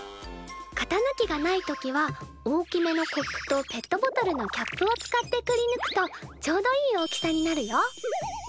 型ぬきがない時は大きめのコップとペットボトルのキャップを使ってくりぬくとちょうどいい大きさになるよ。